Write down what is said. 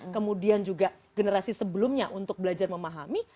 kemudian juga generasi sebelumnya untuk belajar memahami